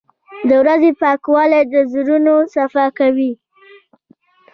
• د ورځې پاکوالی د زړونو صفا کوي.